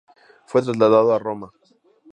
Fue trasladado a Roma.